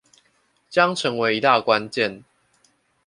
將成為一大關鍵